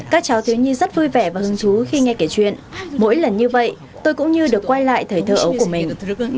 các cháu thiếu nhi rất vui vẻ và hứng thú khi nghe kể chuyện mỗi lần như vậy tôi cũng như được quay lại thời thơ ấu của mình